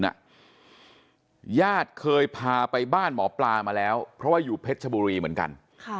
ญาติเคยพาไปบ้านหมอปลามาแล้วเพราะว่าอยู่เพชรชบุรีเหมือนกัน